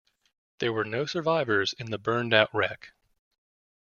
There were no survivors in the burned out wreck.